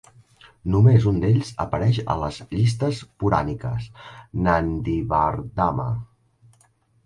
Només un d'ells apareix a les llistes puràniques: Nandivardhana.